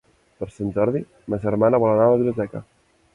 Per Sant Jordi ma germana vol anar a la biblioteca.